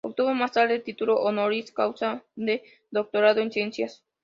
Obtuvo más tarde el título "honoris causa" de doctorado en Ciencias.